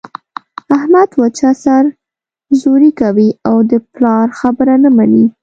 احمد وچه سر زوري کوي او د پلار خبره نه مني.